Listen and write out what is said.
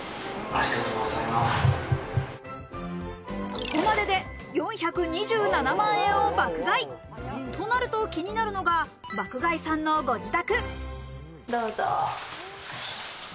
ここまでで４２７万円を爆買い。となると気になるのが爆買いさんのご自宅。